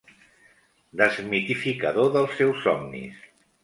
Desmitificador dels seus somnis.